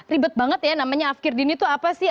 ribet banget ya namanya afkir dini itu apa sih